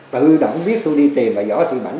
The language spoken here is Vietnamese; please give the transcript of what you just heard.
tự động biết tôi đi tìm bà vợ chị bảnh